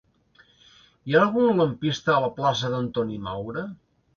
Hi ha algun lampista a la plaça d'Antoni Maura?